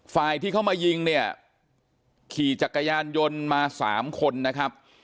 ฝ่ายที่เขามายิงเนี่ยขี่จักรยานยนต์มา๓คนนะครับ